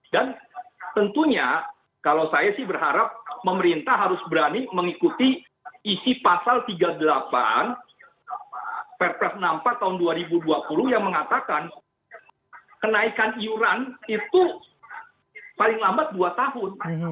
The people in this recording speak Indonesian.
dan tentunya kalau saya sih berharap pemerintah harus berani mengikuti isi pasal tiga puluh delapan perpres enam puluh empat tahun dua ribu dua puluh yang mengatakan kenaikan iuran itu paling lambat dua tahun